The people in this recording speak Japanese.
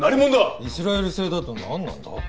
イスラエル製だと何なんだ？